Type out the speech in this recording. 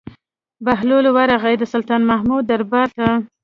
بهلول ورغى د سلطان محمود دربار ته.